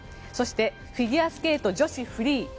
そして、フィギュアスケート女子フリー。